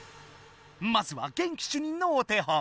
まずは元気主任のお手本。